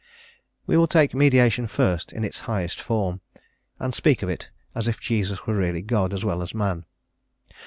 We will take mediation first in its highest form, and speak of it as if Jesus were really God as well as man.